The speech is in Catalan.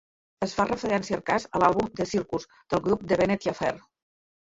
Es fa referència a Arcas a l'àlbum "The Circus" del grup The Venetia Fair.